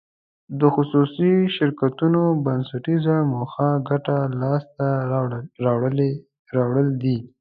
د خصوصي شرکتونو بنسټیزه موخه ګټه لاس ته راوړل دي.